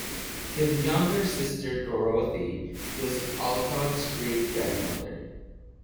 His younger sister, Dorothy, was Alcott's great-grandmother.